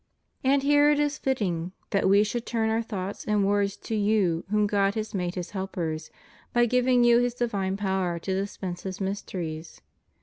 And here it is fitting that We should turn Our thoughts and words to you whom God has made His helpers, by giving you His divine power to dispense His mysteries.